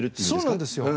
そうなんですよ。